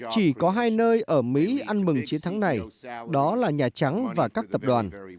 chỉ có hai nơi ở mỹ ăn mừng chiến thắng này đó là nhà trắng và các tập đoàn